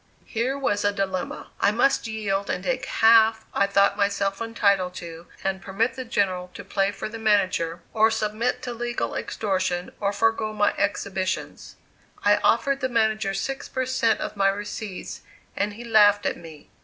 Here was a dilemma! I must yield and take half I thought myself entitled to and permit the General to play for the manager, or submit to legal extortion, or forego my exhibitions. I offered the manager six per cent of my receipts and he laughed at me.